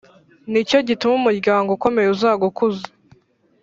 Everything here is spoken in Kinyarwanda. Ni cyo gituma umuryango ukomeye uzagukuza,